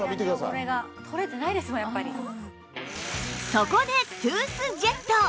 そこでトゥースジェット！